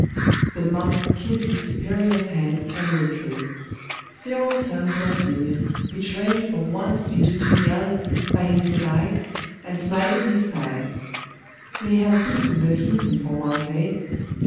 The monk kissed his superior's hand and withdrew. Cyril turned to Arsenius, betrayed for once into geniality by his delight, and smiting his thigh 'We have beaten the heathen for once, eh?